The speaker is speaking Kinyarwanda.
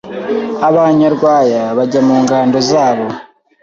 aba Nyarwaya bajya mu ngando zabo.